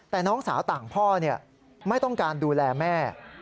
แต่น้องสาวต่างพ่อไม่ต้องการดูแลแม่